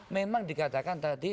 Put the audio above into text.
memang dikatakan tadi